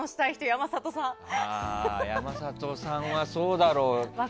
山里さんはそうだろう。